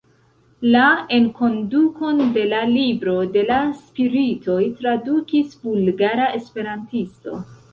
La enkondukon de La Libro de la Spiritoj tradukis bulgara esperantisto.